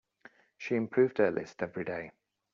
She improved her list every day.